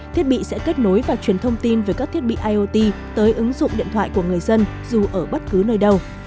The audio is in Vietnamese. thiết bị sẽ kết nối và truyền thông tin về các thiết bị iot tới ứng dụng điện thoại của người dân dù ở bất cứ nơi đâu